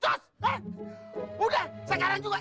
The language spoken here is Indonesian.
hah udah sekarang juga